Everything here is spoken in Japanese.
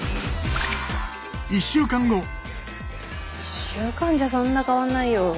１週間じゃそんな変わんないよ。